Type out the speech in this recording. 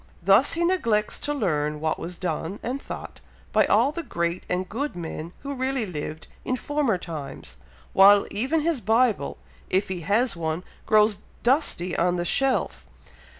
Thus he neglects to learn what was done, and thought, by all the great and good men who really lived in former times, while even his Bible, if he has one, grows dusty on the shelf.